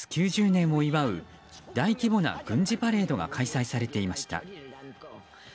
９０年を祝う大規模な軍事パレードが開催されていました。